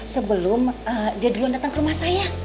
sebelum dia duluan datang ke rumah saya